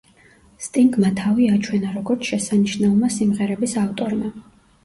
სტინგმა თავი აჩვენა, როგორც შესანიშნავმა სიმღერების ავტორმა.